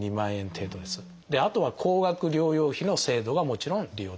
あとは高額療養費の制度がもちろん利用できます。